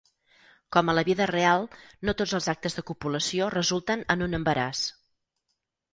Com a la vida real, no tots els actes de copulació resulten en un embaràs.